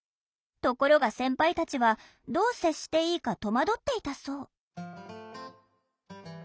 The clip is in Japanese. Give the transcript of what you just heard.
ところが先輩たちはどう接していいか戸惑っていたそう。